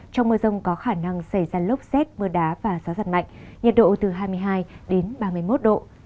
trong mưa rông có khả năng xảy ra lốc xét mưa đá và gió giật mạnh nhiệt độ từ hai mươi hai đến ba mươi một độ